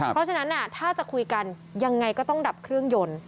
เพราะฉะนั้นถ้าจะคุยกันยังไงก็ต้องดับเครื่องยนต์